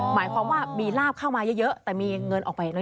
หมายความว่ามีลาบเข้ามาเยอะแต่มีเงินออกไปน้อย